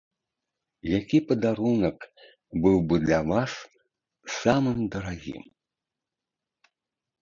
Які падарунак быў бы для вас самым дарагім?